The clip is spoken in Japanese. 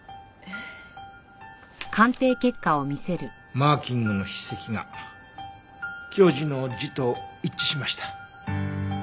マーキングの筆跡が教授の字と一致しました。